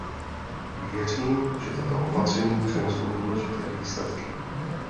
Věřím, že tato opatření přinesou důležité výsledky.